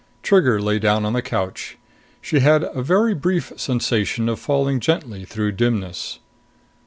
Trigger lay down on the couch. She had a very brief sensation of falling gently through dimness.